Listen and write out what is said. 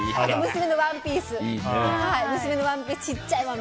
娘のワンピースも。